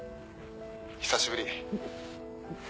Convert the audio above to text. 久しぶり。